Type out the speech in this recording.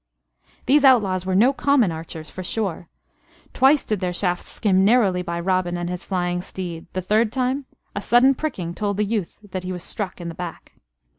These outlaws were no common archers, for sure. Twice did their shafts skim narrowly by Robin and his flying steed; the third time a sudden pricking told the youth that he was struck in the back.